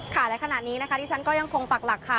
และขณะนี้นะคะที่ฉันก็ยังคงปักหลักค่ะ